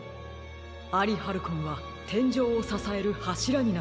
アリハルコンはてんじょうをささえるはしらになっていますね。